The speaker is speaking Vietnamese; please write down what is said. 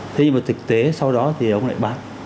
thế mà thực tế sau đó thì ông lại bán